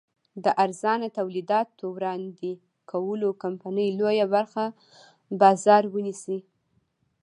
د ارزانه تولیداتو وړاندې کولو کمپنۍ لویه برخه بازار ونیسي.